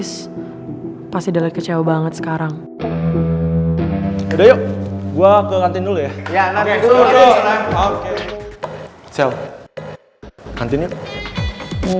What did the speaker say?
saya udah selalu gaman ber matching